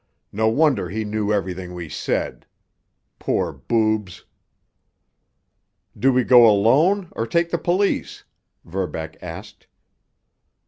No wonder he knew everything we said. Poor boobs!" "Do we go alone, or take the police?" Verbeck asked.